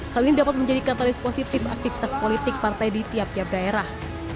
hal ini dapat menjadi katalis positif aktivitas politik partai di tiap tiap daerah